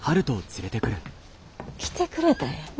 来てくれたんやね。